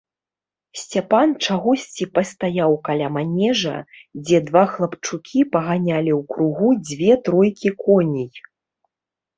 Сцяпан чагосьці пастаяў каля манежа, дзе два хлапчукі паганялі ў кругу дзве тройкі коней.